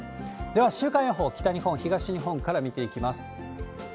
では週間予報、北日本、東日本から見ていきます。